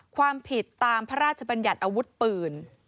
ความผิดตามพระราชบัญญัติอาวุธปืน